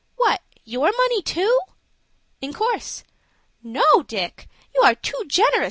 "What, your money too?" "In course." "No, Dick, you are too generous.